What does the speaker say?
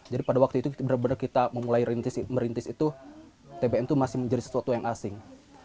jadi pada waktu itu kita benar benar kita mulai merintis itu tbm itu masih menjadi sesuatu yang asing